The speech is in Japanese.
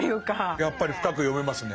やっぱり深く読めますね。